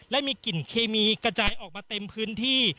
และมีกลิ่นเคมีกระจายออกมาเต็มพื้นที่